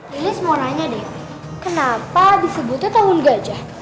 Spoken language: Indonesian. lilis mau nanya deh kenapa disebutnya tahun gajah